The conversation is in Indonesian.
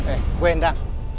eh bu endang